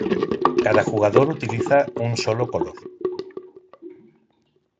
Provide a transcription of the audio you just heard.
Cada jugador utiliza un solo color.